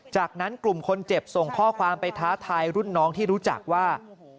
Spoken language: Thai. จากนั้นกลุ่มคนเจ็บส่งข้อความไปท้าทายรุ่นน้องที่รู้จักว่า